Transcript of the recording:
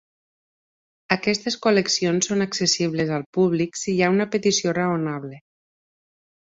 Aquestes col·leccions són accessibles al públic si hi ha una petició raonable.